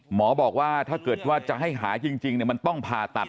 หมอบอกว่าถ้าเกิดว่าจะให้หาจริงมันต้องผ่าตัด